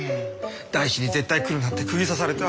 大志に絶対来るなってくぎ刺された。